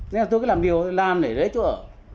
nên là tôi cứ làm liều làm để lấy chỗ ở